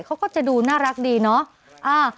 เขาก็จะดูน่ารักดีเนาะ